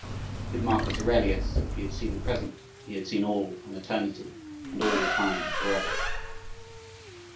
With Marcus Aurelius, if he had seen the present he had seen all, from eternity and all time forever.